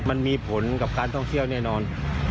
มันมีผลกับการท่องเที่ยวแน่นอน